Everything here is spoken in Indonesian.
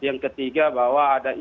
yang ketiga bahwa ada